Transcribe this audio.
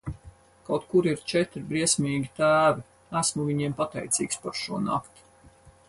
Kaut kur ir četri briesmīgi tēvi, esmu viņiem pateicīgs par šo nakti.